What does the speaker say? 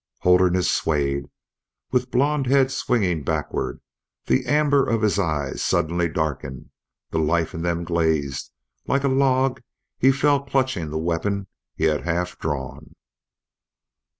Holderness swayed with blond head swinging backward; the amber of his eyes suddenly darkened; the life in them glazed; like a log he fell clutching the weapon he had half drawn.